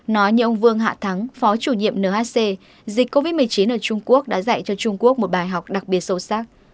nói như ông vương hạ thắng phó chủ nhiệm nhc dịch covid một mươi chín ở trung quốc đã dạy cho trung quốc một bài học đặc biệt sâu sắc